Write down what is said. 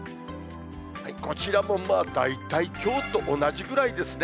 こちらも大体きょうと同じぐらいですね。